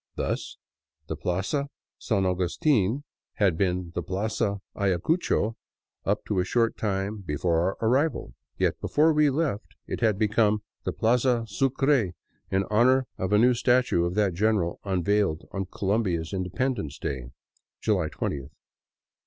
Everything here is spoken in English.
Thus the Plaza San Augustin had been the Plaza Ayacucho up to a short time before our arrival, yet before we left it had become the Plaza Sucre in honor of a new statue of that general unveiled on Colombia's Independence Day, July twentieth.